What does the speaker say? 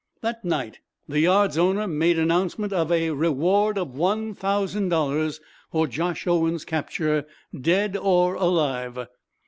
That night the yard's owner made announcement of a reward of one thousand dollars for Josh Owen's capture dead or alive.